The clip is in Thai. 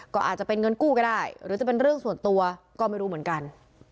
ก็อาจจะเป็นเงินกู้ก็ได้หรือจะเป็นเรื่องส่วนตัวก็ไม่รู้เหมือนกัน